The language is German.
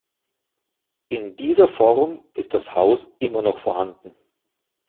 In dieser Form ist das Haus immer noch vorhanden.